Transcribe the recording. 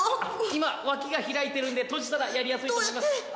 今わきが開いているので閉じたらやりやすいと思います・どうやって？